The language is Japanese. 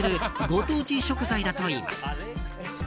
ご当地食材だといいます。